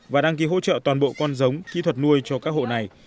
và đăng ký hỗ trợ toàn bộ con giống kỹ thuật nuôi cho các hộ này